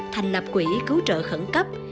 thành lập quỹ cứu trợ khẩn cấp